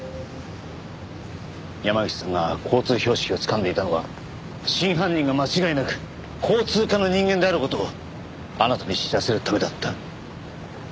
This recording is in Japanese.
山岸さんが交通標識をつかんでいたのは真犯人が間違いなく交通課の人間である事をあなたに知らせるためだった。